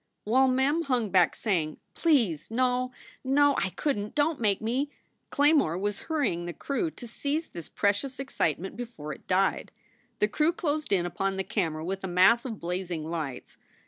While Mem hung back saying: "Please! No, no! I couldn t! Don t make me!" Claymore was hurrying the crew to seize this precious excitement before it died. The crew closed in upon the camera with a mass of blazing lights.